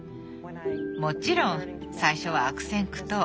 もちろん最初は悪戦苦闘。